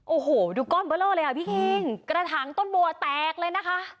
โอ้โหดูก้อนเบอร์เลอร์เลยอ่ะพี่คิงกระถางต้นบัวแตกเลยนะคะ